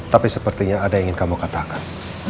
tapi sepertinya ada yang ingin kamu katakan